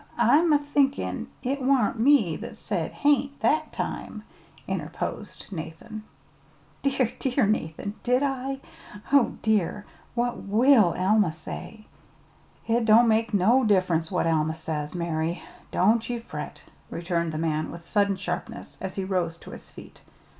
I'm a thinkin' it wa'n't me that said 'ain't' that time," interposed Nathan. "Dear, dear, Nathan! did I? Oh, dear, what will Alma say?" "It don't make no diff'rence what Alma says, Mary. Don't ye fret," returned the man with sudden sharpness, as he rose to his feet.